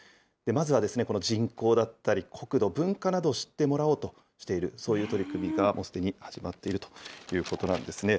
まずはこの人口だったり、国土、文化などを知ってもらおうとしている、そういう取り組みがもうすでに始まっているということなんですね。